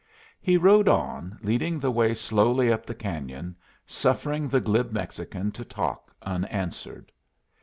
He rode on, leading the way slowly up the cañon, suffering the glib Mexican to talk unanswered.